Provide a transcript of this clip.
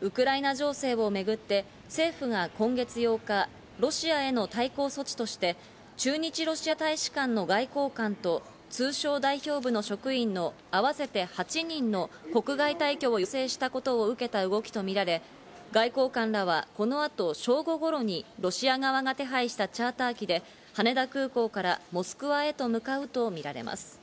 ウクライナ情勢をめぐって政府が今月８日、ロシアへの対抗措置として駐日ロシア大使館の外交官と通商代表部の職員の合わせて８人の国外退去を要請したことを受けた動きとみられ、外交官らはこの後、正午頃にロシア側が手配したチャーター機で羽田空港からモスクワへと向かうとみられます。